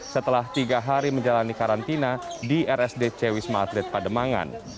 setelah tiga hari menjalani karantina di rsdc wisma atlet pademangan